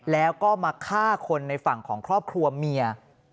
แล้วก็มาฆ่าคนในฝั่งของครอบครัวเมีย